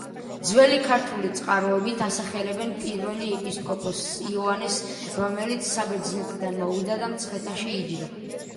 ძველი ქართული წყაროებით ასახელებენ პირველ ეპისკოპოსს იოანეს, რომელიც საბერძნეთიდან მოვიდა და მცხეთაში იჯდა.